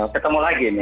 ketemu lagi nih